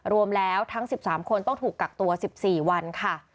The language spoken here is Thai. รวมแล้วทั้ง๑๓คนต้องถูกกักตัว๑๔วันค่ะ